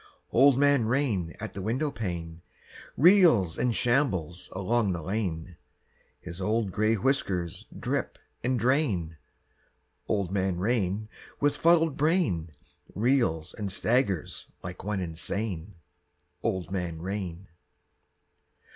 Old Man Rain at the windowpane Reels and shambles along the lane: His old gray whiskers drip and drain: Old Man Rain with fuddled brain Reels and staggers like one insane. Old Man Rain.